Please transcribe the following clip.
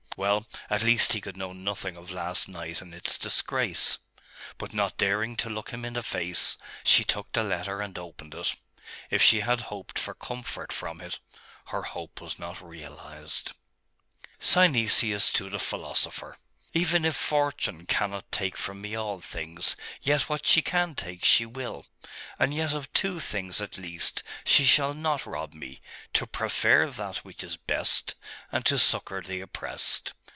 Well; at least he could know nothing of last night and its disgrace. But not daring to look him in the face, she took the letter and opened it.... If she had hoped for comfort from it, her hope was not realised. 'Synesius to the Philosopher: 'Even if Fortune cannot take from me all things, yet what she can take she will. And yet of two things, at least, she shall not rob me to prefer that which is best, and to succour the oppressed.